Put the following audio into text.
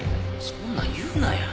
そんなん言うなや。